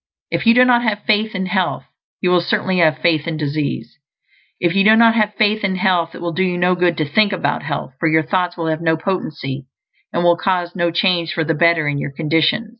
If you do not have faith in health, you will certainly have faith in disease. If you do not have faith in health, it will do you no good to think about health, for your thoughts will have no potency, and will cause no change for the better in your conditions.